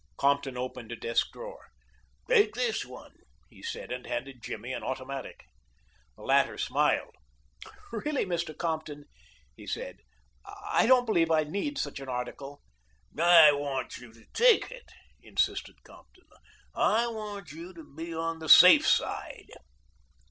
Compton opened a desk drawer. "Take this one," he said, and handed Jimmy an automatic. The latter smiled. "Really, Mr. Compton," he said, "I don't believe I need such an article." "I want you to take it," insisted Compton. "I want you to be on the safe side."